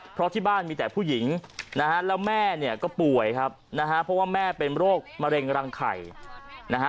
เพราะที่บ้านมีแต่ผู้หญิงนะฮะแล้วแม่เนี่ยก็ป่วยครับนะฮะเพราะว่าแม่เป็นโรคมะเร็งรังไข่นะฮะ